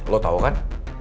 lo tau kan